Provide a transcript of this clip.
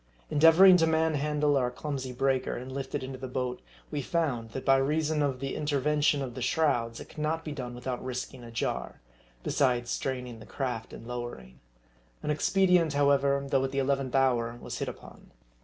Endeavoring to manhandle our clumsy breaker, and lift it into the boat, we found, that by reason of the interven tion of the shrouds, it could not be done without risking a jar; besides straining the craft in lowering. An expedient, however, though at the eleventh hour, was hit upon.